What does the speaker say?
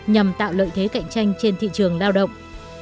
nhằm tạo lợi thế cạnh tranh trên thị trường lao động